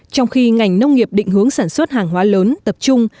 trong khi ngành nông nghiệp định hướng sản xuất hàng hóa lớn tập trung